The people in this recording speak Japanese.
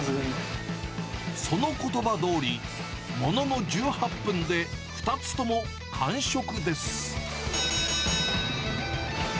そのことばどおり、ものの１８分で２つとも完食です。